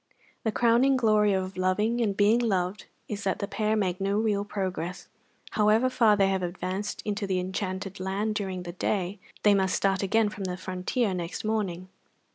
The crowning glory of loving and being loved is that the pair make no real progress; however far they have advanced into the enchanted land during the day, they must start again from the frontier next morning.